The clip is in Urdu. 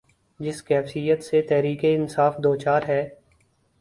جس کیفیت سے تحریک انصاف دوچار ہے۔